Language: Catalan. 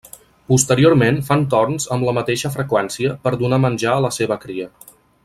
Posteriorment fan torns amb la mateixa freqüència per donar menjar a la seva cria.